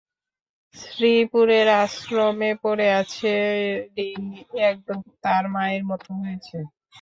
শ্রীপুরের আশ্রমে পরে আছেঋ একদম তার মায়ের মতো হয়েছে।